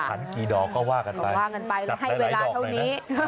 ขันกี่ดอกก็ว่ากันไปจัดหลายดอกเลยนะ